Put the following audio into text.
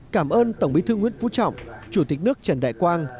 cảm ơn tổng bí thư nguyễn phú trọng chủ tịch nước trần đại quang